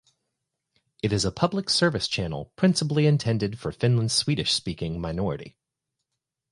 It is a public-service channel principally intended for Finland's Swedish-speaking minority.